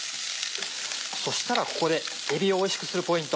そしたらここでえびをおいしくするポイント。